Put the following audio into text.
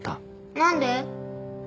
何で？